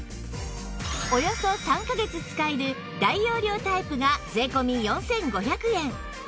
およそ３カ月使える大容量タイプが税込４５００円